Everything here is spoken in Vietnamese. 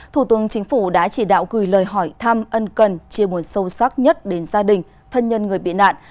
thủ tướng chính phủ đã chỉ đạo gửi lời hỏi thăm ân cần chia buồn sâu sắc nhất đến gia đình thân nhân người bị nạn